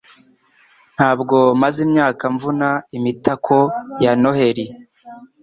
Ntabwo maze imyaka mvuna imitako ya Noheri.